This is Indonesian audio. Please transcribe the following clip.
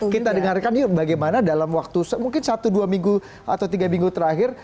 kita dengarkan yuk bagaimana dalam waktu mungkin satu dua minggu atau tiga minggu terakhir